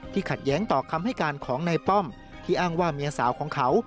ขัดแย้งต่อคำให้การของนายป้อมที่อ้างว่าเมียสาวของเขา